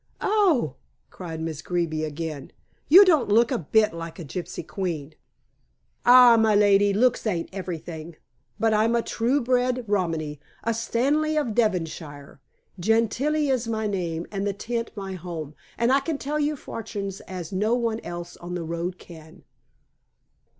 "Oh!" cried Miss Greeby again. "You don't look a bit like a gypsy queen." "Ah, my lady, looks ain't everything. But I'm a true bred Romany a Stanley of Devonshire. Gentilla is my name and the tent my home, and I can tell fortunes as no one else on the road can."